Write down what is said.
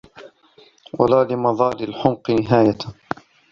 وَلَا لِمَضَارِّ الْحُمْقِ نِهَايَةٌ